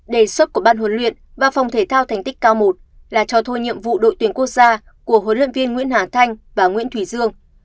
đề xuất của ban huấn luyện và phòng thể thao thành tích cao một là cho thôi nhiệm vụ đội tuyển quốc gia của huấn luyện viên nguyễn hà thanh và nguyễn thủy dương